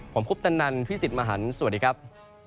ผมคุปตนันพี่สิทธิ์มหันฯสวัสดีครับ